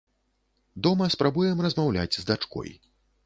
Дома спрабуем размаўляць з дачкой.